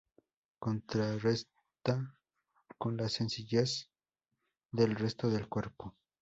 Contrarresta con la sencillez del resto del cuerpo.